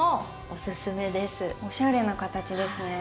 おしゃれな形ですね。